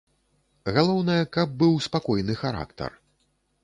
Галоўнае, каб быў спакойны характар.